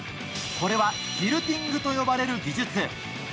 これはティルティングと呼ばれる技術。